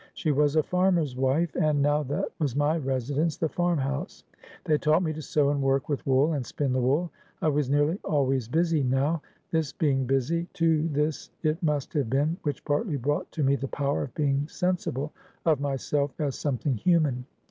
She was a farmer's wife; and now that was my residence, the farm house. They taught me to sew, and work with wool, and spin the wool; I was nearly always busy now. This being busy, too, this it must have been, which partly brought to me the power of being sensible of myself as something human.